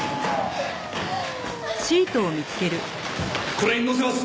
これに乗せます。